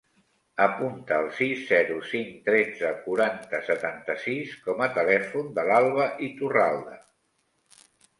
Apunta el sis, zero, cinc, tretze, quaranta, setanta-sis com a telèfon de l'Alba Iturralde.